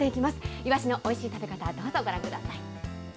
いわしのおいしい食べ方、どうぞご覧ください。